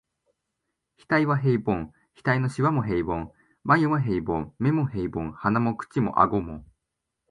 額は平凡、額の皺も平凡、眉も平凡、眼も平凡、鼻も口も顎も、